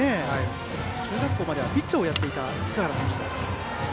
中学校まではピッチャーをやっていた福原選手。